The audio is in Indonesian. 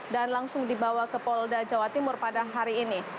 dan langsung dibawa ke polda jawa timur pada hari ini